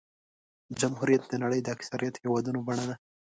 جمهوریت د نړۍ د اکثریت هېوادونو بڼه ده.